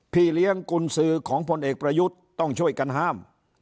พี่เลี้ยงกุญสือของพลเอกประยุทธ์ต้องช่วยกันห้าม